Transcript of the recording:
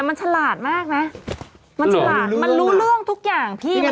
แต่มันฉลาดมากนะมันรู้เรื่องทุกอย่างพี่มันฉลาด